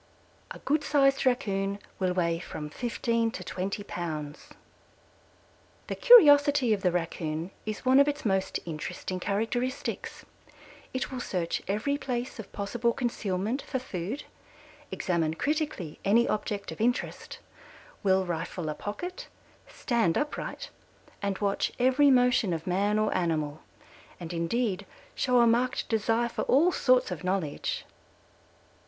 A good sized Raccoon will weigh from fifteen to twenty pounds. The curiosity of the Raccoon is one of its most interesting characteristics. It will search every place of possible concealment for food, examine critically any object of interest, will rifle a pocket, stand upright and watch every motion of man or animal, and indeed show a marked desire for all sorts of knowledge.